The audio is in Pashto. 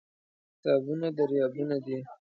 کتابونه دریابونه دي.